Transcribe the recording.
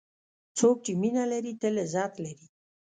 څوک چې مینه لري، تل عزت لري.